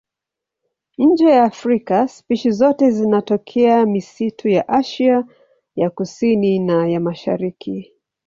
Nje ya Afrika spishi zote zinatokea misitu ya Asia ya Kusini na ya Mashariki.